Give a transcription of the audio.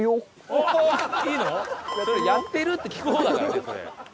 「やってる？」って聞く方だからねそれ。